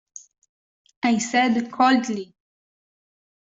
I said coldly.